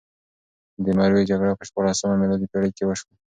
د مروې جګړه په شپاړلسمه میلادي پېړۍ کې وشوه.